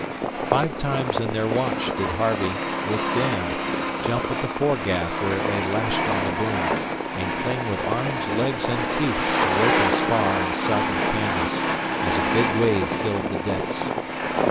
Five times in their watch did Harvey, with Dan, jump at the foregaff where it lay lashed on the boom, and cling with arms, legs, and teeth to rope and spar and sodden canvas as a big wave filled the decks.